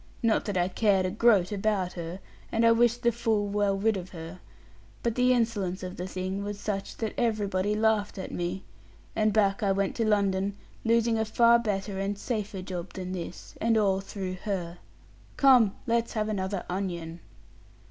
Not that I cared a groat about her; and I wish the fool well rid of her: but the insolence of the thing was such that everybody laughed at me; and back I went to London, losing a far better and safer job than this; and all through her. Come, let's have another onion.'